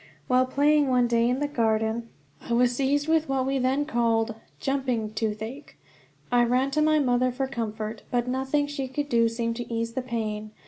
While playing one day in the garden, I was seized with what we then called "jumping" toothache. I ran to my mother for comfort, but nothing she could do seemed to ease the pain.